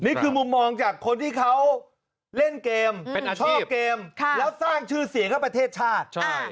นี่คือมุมมองจากคนที่เขาเล่นเกมชอบเกมแล้วสร้างชื่อเสียงให้ประเทศชาติ